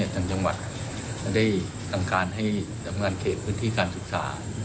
ทางจังหวัดได้สั่งการให้สำงานเขตพื้นที่การศึกษา